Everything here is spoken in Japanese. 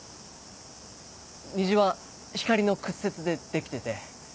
虹は光の屈折でできてて。